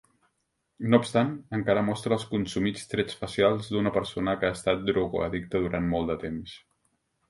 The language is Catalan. No obstant, encara mostra els consumits trets facials d'una persona que ha estat drogoaddicte durant molt de temps.